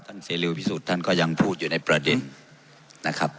ท่านเซริพิสุทธิ์ก็ยังพูดอยู่ในประเด็นนะครับ